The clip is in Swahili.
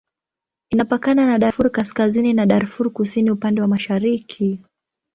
Inapakana na Darfur Kaskazini na Darfur Kusini upande wa mashariki.